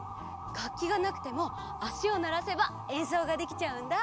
がっきがなくてもあしをならせばえんそうができちゃうんだ。